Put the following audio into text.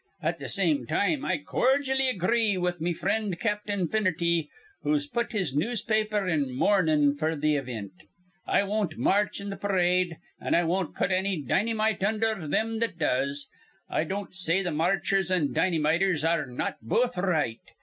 At th' same time I corjally agree with me frind Captain Finerty, who's put his newspaper in mournin' f'r th' ivint. I won't march in th' parade, an' I won't put anny dinnymite undher thim that does. I don't say th' marchers an' dinnymiters ar re not both r right.